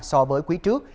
so với quý trước